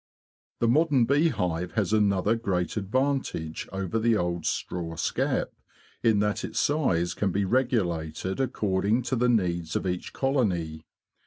The modern beehive has another great advantage over the old straw skep, in that its size can be regulated according to the needs of each colony.